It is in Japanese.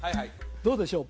どうでしょう？